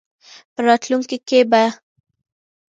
په راتلونکې کې به